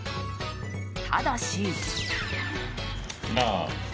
ただし。